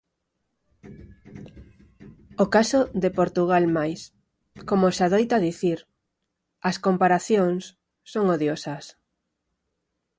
O caso de Portugal Mais, como se adoita a dicir, as comparacións son odiosas.